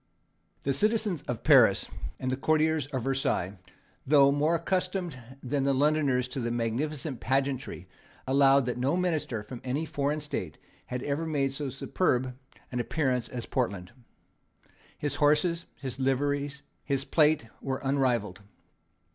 The citizens of Paris and the courtiers of Versailles, though more accustomed than the Londoners to magnificent pageantry, allowed that no minister from any foreign state had ever made so superb an appearance as Portland. His horses, his liveries, his plate, were unrivalled.